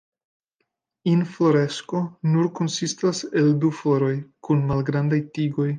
Infloresko nur konsistas el du floroj kun malgrandaj tigoj.